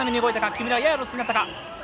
木村ややロスになったか。